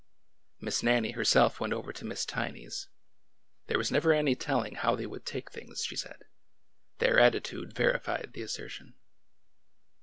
Miss Nannie herself went over to Miss Tiny's. There was never any telling how they would take things, she said. Their attitude verified the assertion.